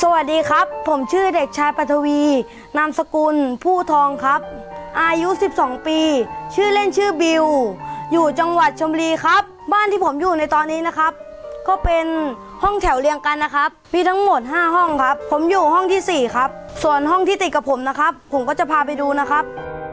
สวัสดีครับผมชื่อเด็กชายปัทวีนามสกุลผู้ทองครับอายุสิบสองปีชื่อเล่นชื่อบิวอยู่จังหวัดชมบุรีครับบ้านที่ผมอยู่ในตอนนี้นะครับก็เป็นห้องแถวเรียงกันนะครับมีทั้งหมดห้าห้องครับผมอยู่ห้องที่สี่ครับส่วนห้องที่ติดกับผมนะครับผมก็จะพาไปดูนะครับ